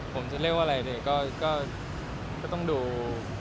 ผมจะเรียกว่าอะไรเนี่ยก็ต้องดู